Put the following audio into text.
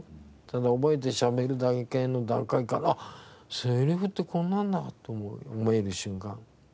ただ覚えてしゃべるだけの段階から「あっセリフってこんなんだ」と思える瞬間。